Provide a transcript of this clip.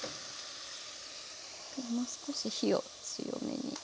もう少し火を強めに。